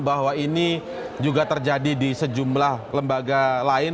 bahwa ini juga terjadi di sejumlah lembaga lain